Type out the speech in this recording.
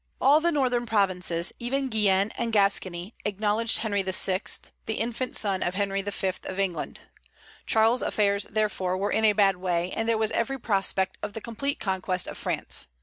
All the northern provinces, even Guienne and Gascony, acknowledged Henry VI., the infant son of Henry V. of England. Charles's affairs, therefore, were in a bad way, and there was every prospect of the complete conquest of France.